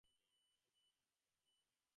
আর ক্যাটান তো ক্যাটান-ই।